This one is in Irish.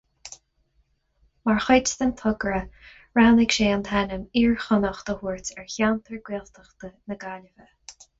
Mar chuid den togra, roghnaigh sé an t-ainm Iarchonnacht a thabhairt ar cheantar Gaeltachta na Gaillimhe.